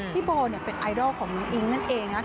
พี่โบเนี่ยเป็นไอดอลของน้องอิ๊งนั่นเองนะครับ